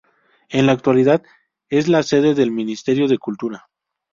En la actualidad es la sede del Ministerio de Cultura.